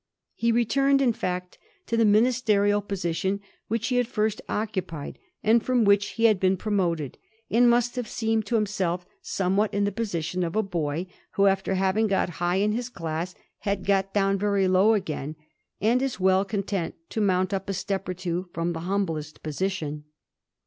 He returned, in fact, to the ministerial position which he had first occu pied, and fi'om which he had been promoted, and must have seemed to himself somewhat in the position of a boy who, after having got high in his class, has got down very low again, and is well content to mount up a step or two fi*om the htmiblest position.